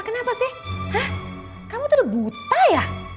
kenapa sih kamu tuh udah buta ya